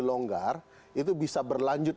longgar itu bisa berlanjut